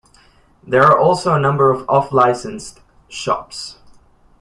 There are also a number of off-licensed shops.